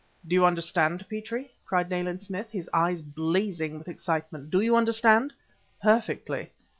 "Do you understand, Petrie?" cried Nayland Smith, his eyes blazing with excitement. "Do you understand?" "Perfectly."